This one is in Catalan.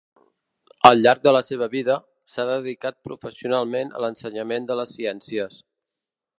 Al llarg de la seva vida, s'ha dedicat professionalment a l'ensenyament de les ciències.